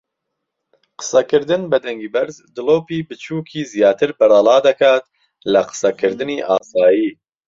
قسەکردن بە دەنگی بەرز دڵۆپی بچووکی زیاتر بەرەڵادەکات لە قسەکردنی ئاسایی.